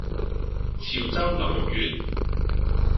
潮州牛肉丸